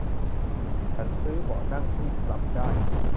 ฉันซื้อเบาะนั่งที่ปรับได้